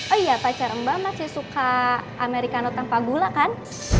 oh iya pacar mbak masih suka americano tanpa gula kan